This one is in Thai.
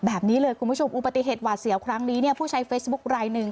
แบบนี้เลยคุณผู้ชมอุบัติเหตุหวาดเสียวครั้งนี้เนี่ยผู้ใช้เฟซบุ๊คลายหนึ่ง